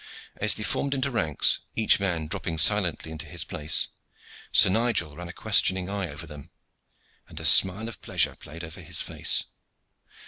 As they formed into ranks, each man dropping silently into his place, Sir Nigel ran a questioning eye over them, and a smile of pleasure played over his face.